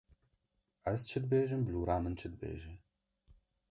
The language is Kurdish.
Ez çi dibêjim bilûra min çi dibêje.